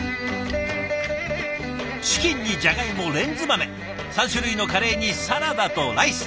チキンにじゃがいもレンズ豆３種類のカレーにサラダとライス